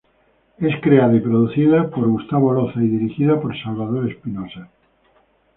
Es creada y producida por Gustavo Loza y dirigida por Salvador Espinosa.